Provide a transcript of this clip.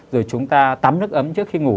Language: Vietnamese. rồi chúng ta tắm nước ấm trước khi ngủ